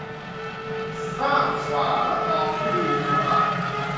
ทราบฝ่าละอองธุลีพระบาท